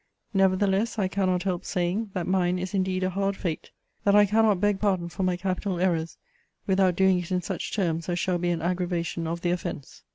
Nevertheless, I cannot help saying, that mine is indeed a hard fate, that I cannot beg pardon for my capital errors without doing it in such terms as shall be an aggravation of the offence.